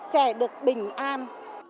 trẻ được bình an